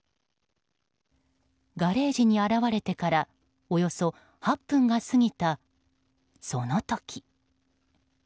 ガレージに現れてからおよそ８分が過ぎた、その時。